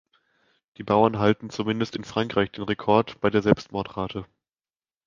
Die Bauern halten, zumindest in Frankreich, den Rekord bei der Selbstmordrate.